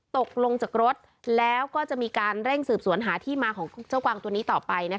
ตกลงจากรถแล้วก็จะมีการเร่งสืบสวนหาที่มาของเจ้ากวางตัวนี้ต่อไป